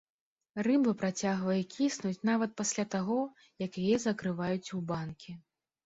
Рыба працягвае кіснуць нават пасля таго, як яе закрываюць у банкі.